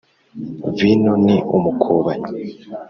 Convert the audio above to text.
vino ni umukobanyi,